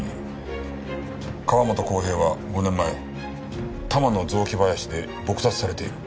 川本浩平は５年前多摩の雑木林で撲殺されている。